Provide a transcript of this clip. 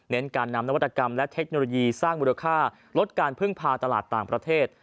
การนำนวัตกรรมและเทคโนโลยีสร้างมูลค่าลดการพึ่งพาตลาดต่างประเทศ